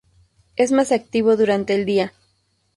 Es más activo durante el día.